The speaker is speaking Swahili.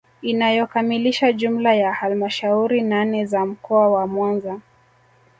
Inayokamilisha jumla ya halmashauri nane za mkoa wa Mwanza